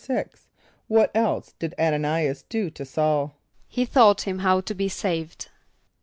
= What else did [)A]n a n[=i]´as do to S[a:]ul? =He taught him how to be saved.